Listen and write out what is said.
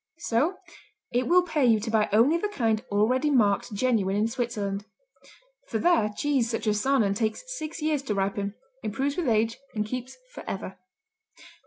So it will pay you to buy only the kind already marked genuine in Switzerland. For there cheese such as Saanen takes six years to ripen, improves with age, and keeps forever.